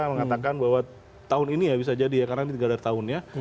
mengatakan bahwa tahun ini bisa jadi karena ini tiga darat tahunnya